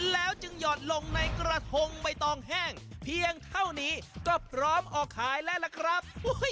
แล้วจึงหยอดลงในกระทงใบตองแห้งเพียงเท่านี้ก็พร้อมออกขายแล้วล่ะครับ